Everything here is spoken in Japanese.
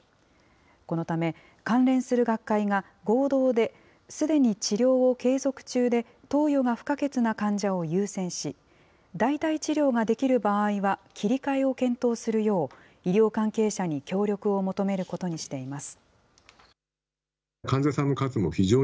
このため、関連する学会が合同で、すでに治療を継続中で、投与が不可欠な患者を優先し、代替治療ができる場合は、切り替えを検討するよう、医療関係者に協力を求めることにしています。